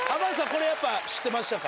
これやっぱ知ってましたか？